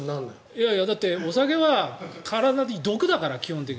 いやいや、だってお酒は体に毒だから。